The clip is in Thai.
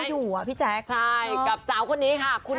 หนูว่าไม่มีใครเปลี่ยนใครได้คนนั้นต้องเปลี่ยนเอง